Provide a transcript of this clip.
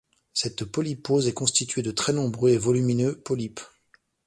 Cette polypose est constituée de très nombreux et volumineux polypes.